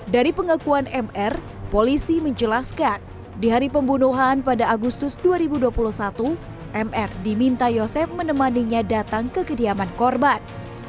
dari pengakuan mr polisi menjelaskan di hari pembunuhan pada agustus dua ribu dua puluh satu mr diminta yosep menemaninya datang ke kediaman korban